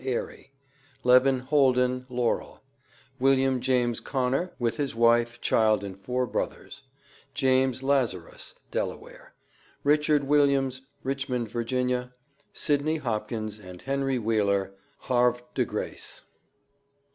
Airy; LEVIN HOLDEN, Laurel; WILLIAM JAMES CONNER, with his wife, child, and four brothers; JAMES LAZARUS, Delaware; RICHARD WILLIAMS, Richmond, Virginia; SYDNEY HOPKINS and HENRY WHEELER, Havre de Grace.